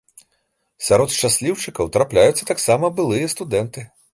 Сярод шчасліўчыкаў трапляюцца таксама былыя студэнты.